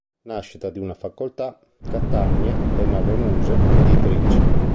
Nascita di una Facoltà", Catania, Le nove muse editrice.